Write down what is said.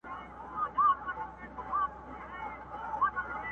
خوله یې ډکه له دعاوو سوه ګویان سو!.